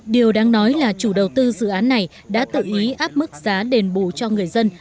điều đáng nói là chủ đầu tư dự án này đã tự ý áp mức giá đền bù cho người dân